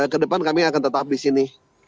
kedepan kami akan tetap di sini